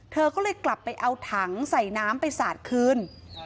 เธอก็เลยกลับไปเอาถังใส่น้ำไปสาดคืน